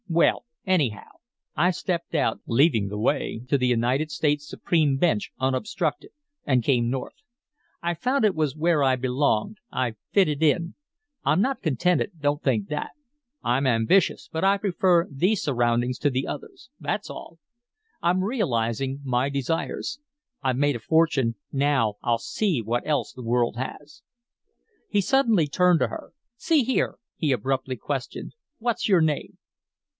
"Well, anyhow, I stepped out, leaving the way to the United States Supreme bench unobstructed, and came North. I found it was where I belonged. I fitted in. I'm not contented don't think that. I'm ambitious, but I prefer these surroundings to the others that's all. I'm realizing my desires. I've made a fortune now I'll see what else the world has." He suddenly turned to her. "See here," he abruptly questioned, "what's your name?"